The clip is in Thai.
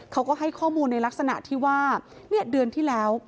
เขาก็ให้ข้อมูลในลักษณะที่ว่าเนี่ยเดือนที่แล้ว